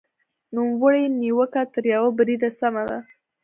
نوموړې نیوکه تر یوه بریده سمه ده.